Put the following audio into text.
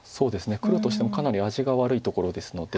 黒としてもかなり味が悪いところですので。